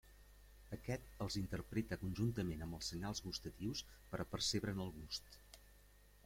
Aquest els interpreta conjuntament amb els senyals gustatius per a percebre'n el gust.